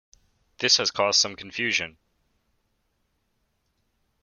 This has caused some confusion.